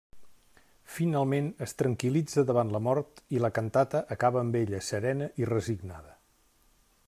Finalment es tranquil·litza davant la mort i la cantata acaba amb ella serena i resignada.